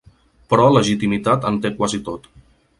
Però legitimitat en té quasi tot.